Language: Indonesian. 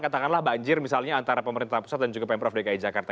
katakanlah banjir misalnya antara pemerintah pusat dan juga pemprov dki jakarta